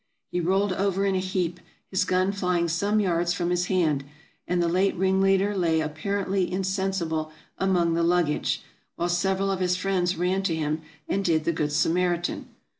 He rolled over in a heap, his gun flying some yards from his hand; and the late ringleader lay apparently in sensible among the luggage, while several of his friends ran to him, and did the good Samaritan.